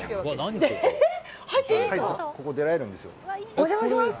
お邪魔します。